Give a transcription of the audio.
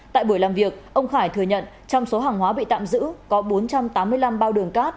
tại buổi làm việc ông khải thừa nhận trong số hàng hóa bị tạm giữ có bốn trăm tám mươi năm bao đường cát